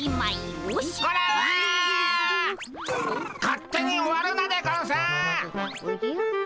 勝手に終わるなでゴンスっ！